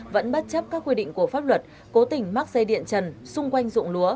vẫn bất chấp các quy định của pháp luật cố tình mắc dây điện trần xung quanh dụng lúa